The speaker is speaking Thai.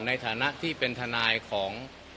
ในฐานะที่เป็นทนายของ